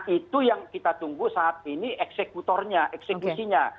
itu yang kita tunggu saat ini eksekutornya eksekusinya